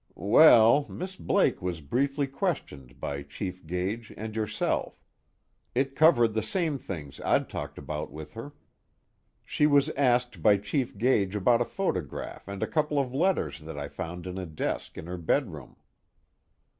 "Well, Miss Blake was briefly questioned by Chief Gage and yourself. It covered the same things I'd talked about with her. She was asked by Chief Gage about a photograph and a couple of letters that I found in a desk in her bedroom."